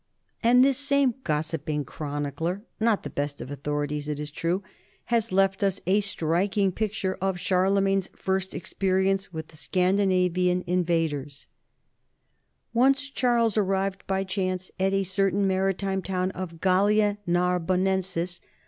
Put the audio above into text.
And this same gossiping chronicler not the best of authorities it is true has left us a striking picture of Charlemagne's first experience with the Scandinavian invaders: Once Charles arrived by chance at a certain maritime town of Gallia Narbonensis.